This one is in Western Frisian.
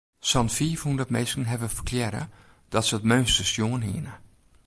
Sa'n fiifhûndert minsken hawwe ferklearre dat se it meunster sjoen hiene.